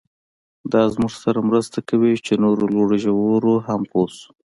دا زموږ سره مرسته کوي چې نورو لوړو ژورو هم پوه شو.